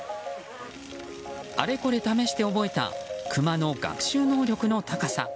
あれこれ試して覚えたクマの学習能力の高さ。